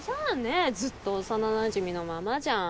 ずっと幼なじみのままじゃん。